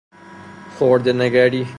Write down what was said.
خرده نگری